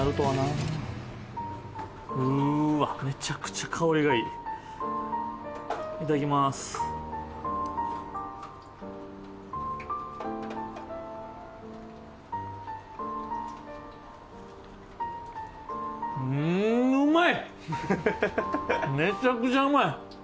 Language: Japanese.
めちゃくちゃうまい。